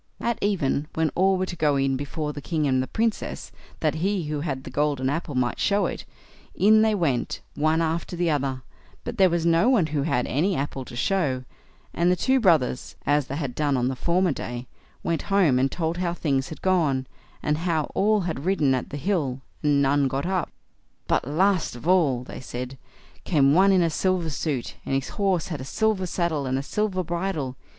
At even, when all were to go in before the king and the Princess, that he who had the golden apple might show it, in they went, one after the other, but there was no one who had any apple to show, and the two brothers, as they had done on the former day, went home and told how things had gone, and how all had ridden at the hill, and none got up. "But, last of all", they said, "came one in a silver suit, and his horse had a silver saddle and a silver bridle.